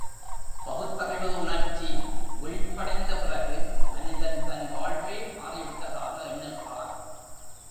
பகுத்தறிவு உணர்ச்சி விழிப்படைந்த பிறகு மனிதன் தன் வாழ்வே மாறிவிட்டதாக எண்ணுகிறான்.